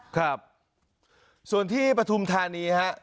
ครับส่วนที่ปฐุมธานีฮะ